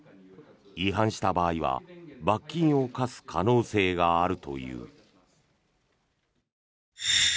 違反した場合は罰金を科す可能性があるという。